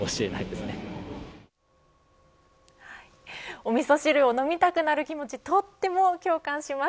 おみそ汁を飲みたくなる気持ちとても共感します。